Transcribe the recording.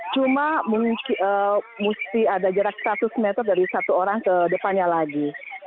cuma mesti ada jarak seratus meter dari satu orang ke depannya lagi